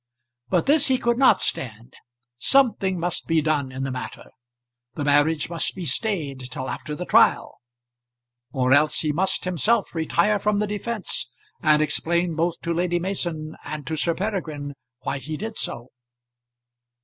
But this he could not stand. Something must be done in the matter. The marriage must be stayed till after the trial, or else he must himself retire from the defence and explain both to Lady Mason and to Sir Peregrine why he did so.